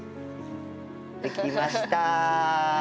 できました！